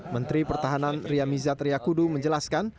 menteri pertahanan riyamizat riyakudu menjelaskan